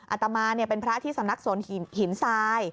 อาตมาเป็นพระที่สำนักสนหินทราย